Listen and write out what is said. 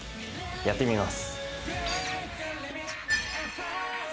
やってみます。